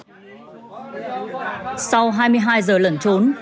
sau hai mươi hai giờ lẩn trốn